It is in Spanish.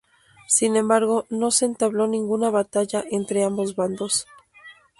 Sin embargo, no se entabló ninguna batalla entre ambos bandos.